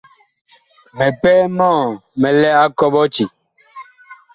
Mipɛɛ mɔɔ mi lɛ a kɔɓɔti.